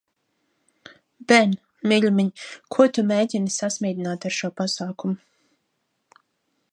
Ben, mīļumiņ, ko tu mēģini sasmīdināt ar šo pasākumu?